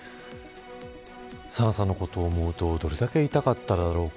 紗菜さんのことを思うとどれだけ痛かっただろうか。